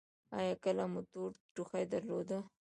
ایا کله مو تور ټوخی درلود؟